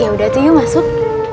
ya udah tuh yuk masuk